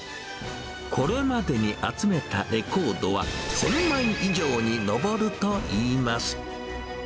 これまでに集めたレコードは、１０００枚以上に上るといいます。